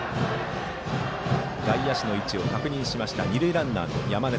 外野手の位置を確認しました二塁ランナーの山根。